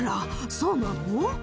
そうなの？